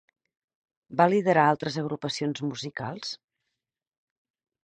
Va liderar altres agrupacions musicals?